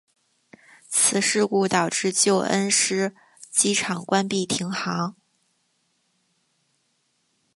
此事故导致旧恩施机场关闭停航。